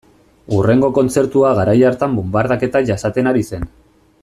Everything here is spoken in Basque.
Hurrengo kontzertua garai hartan bonbardaketak jasaten ari zen.